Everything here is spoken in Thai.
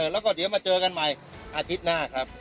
แล้วก็เดี๋ยวมาเจอกันใหม่อาทิตย์หน้าครับ